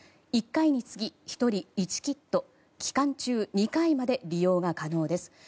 １回につき１人１キット期間中２回まで利用が可能です。